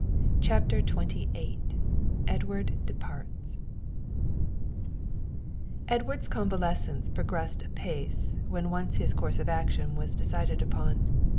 CHAPTER XXVIII EDWARD DEPARTS Edward's convalescence progressed apace when once his course of action was decided upon.